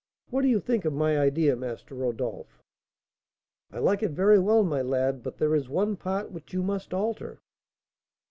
What do you think of my idea, Master Rodolph?" "I like it very well, my lad; but there is one part which you must alter."